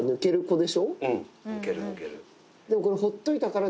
でもこれ。